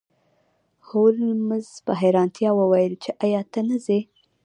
هولمز په حیرانتیا وویل چې ایا ته نه ځې